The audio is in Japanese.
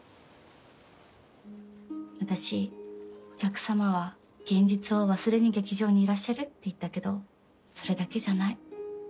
私お客様は現実を忘れに劇場にいらっしゃるって言ったけどそれだけじゃない。